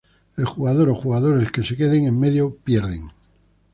El jugador o jugadores que se queden en medio pierden.